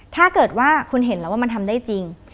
ถ้าเกิดว่าคุณเห็นแล้วว่ามันทำได้จริง